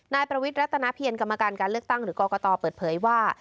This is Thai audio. นายประวิทย์รัฐนาเพียรกรรมการการเลือกตั้งหรือกรกตเปิดเผยว่า